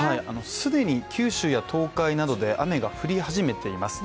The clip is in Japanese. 既に九州や東海などで雨が降り始めています。